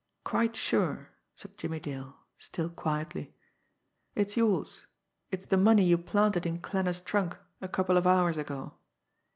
"Quite sure," said Jimmie Dale, still quietly. "It's yours. It's the money you planted in Klanner's trunk a couple of hours ago."